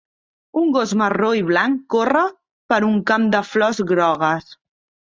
Un gos marró i blanc corre per un camp de flors grogues.